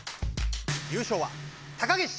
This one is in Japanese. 優勝は高岸！